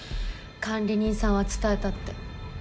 管理人さんは伝えたって。